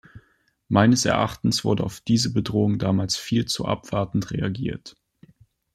Meines Erachtens wurde auf diese Bedrohungen damals viel zu abwartend reagiert.